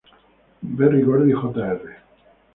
Berry Gordy Jr.